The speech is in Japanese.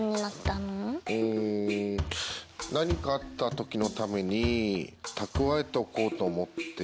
うん何かあった時のために蓄えておこうと思って。